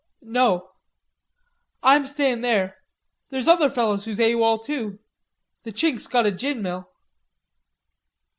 "No." "I'm stayin' there. There're other fellers who's A.W. O.L. too. The Chink's got a gin mill."